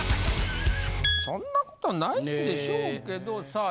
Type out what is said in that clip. そんなことないんでしょうけどさあ